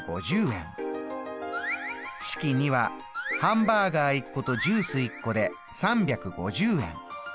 式２はハンバーガー１個とジュース１個で３５０円。